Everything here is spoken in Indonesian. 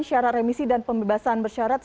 syarat remisi dan pembebasan bersyarat